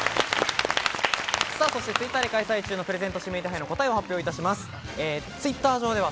そしてＴｗｉｔｔｅｒで開催中のプレゼント指名手配の答えを発表いたします。